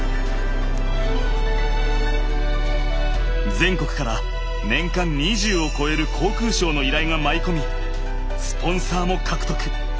全国から年間２０を超える航空ショーの依頼が舞い込みスポンサーも獲得。